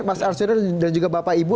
mas arswedar dan juga bapak ibu